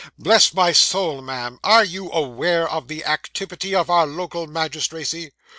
Bless my soul, ma'am, are you aware of the activity of our local magistracy?